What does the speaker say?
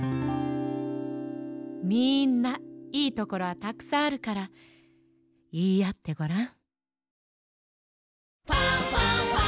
みんないいところはたくさんあるからいいあってごらん。